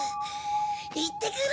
行ってくる！